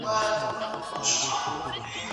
هلک د انا په وړاندې په فرش کښېناست.